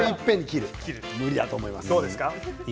無理だと思います。